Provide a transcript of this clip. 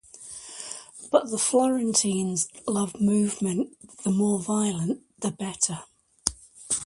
But the Florentines loved movement, the more violent the better.